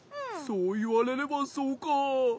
そういわれればそうか。